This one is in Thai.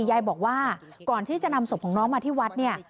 ยายบอกว่าก่อนที่จะนำศพของน้องมาที่วัดเนี่ย